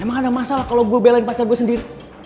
emang ada masalah kalau gue belain pacar gue sendiri